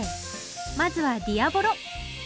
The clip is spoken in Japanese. まずはディアボロ。